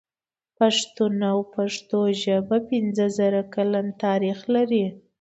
پښتون او پښتو ژبه پنځه زره کلن تاريخ لري.